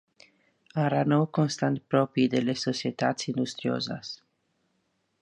Enrenou constant propi de les societats industrioses.